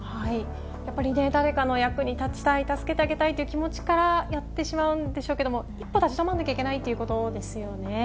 やっぱり誰かの役に立ちたい、助けてあげたいという気持ちからやってしまうんでしょうけども、一歩立ち止まらなきゃいけないということですよね。